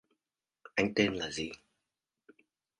Anh tên là gì